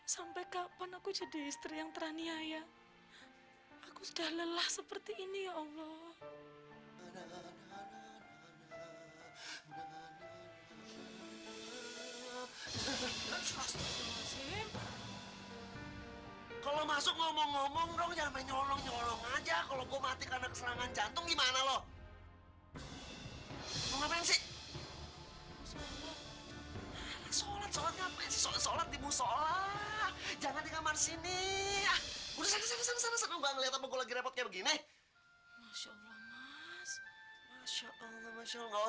sampai jumpa di video selanjutnya